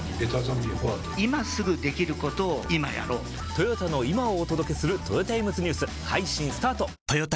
トヨタの今をお届けするトヨタイムズニュース配信スタート！！！